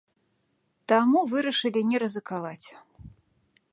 Таму вырашылі не рызыкаваць.